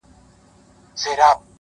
زموږ د كلي څخه ربه ښكلا كډه كړې’